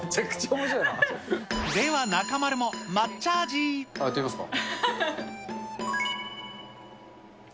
では中丸も、まっチャージ。やってみますか。